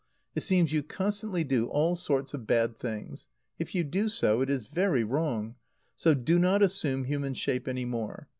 It seems you constantly do all sorts of bad things. If you do so, it is very wrong; so do not assume human shape any more.